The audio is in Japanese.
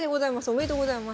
ありがとうございます。